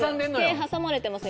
手挟まれてます